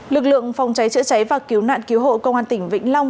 lực lượng phòng cháy chữa cháy và cứu nạn cứu hộ công an tỉnh vĩnh long